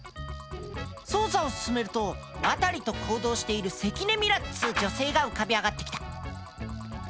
捜査を進めると渡と行動している関根ミラっつう女性が浮かび上がってきた。